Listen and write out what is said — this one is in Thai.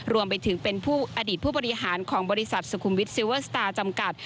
รวมไปถึงเป็นผู้อดีตผู้บริหารของบริษัทสุขุมวิทยซิลเวอร์สตาร์จำกัด